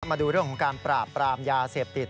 มาดูเรื่องของการปราบปรามยาเสพติด